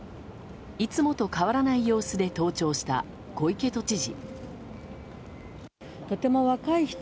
いつもと変わらない様子で登庁した、小池都知事。